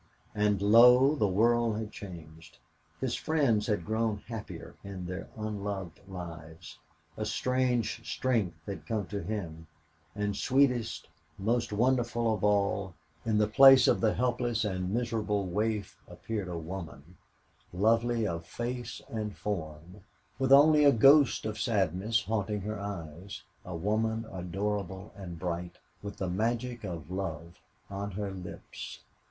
And, lo! the world had changed, his friends had grown happier in their unloved lives, a strange strength had come to him, and, sweetest, most wonderful of all, in the place of the helpless and miserable waif appeared a woman, lovely of face and form, with only a ghost of sadness haunting her eyes, a woman adorable and bright, with the magic of love on her lips.